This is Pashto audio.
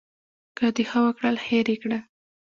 که د ښه وکړل هېر یې کړه .